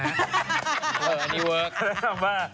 เอออันนี้เวิร์ค